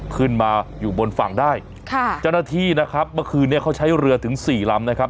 ขึ้นมาอยู่บนฝั่งได้ค่ะเจ้าหน้าที่นะครับเมื่อคืนนี้เขาใช้เรือถึงสี่ลำนะครับ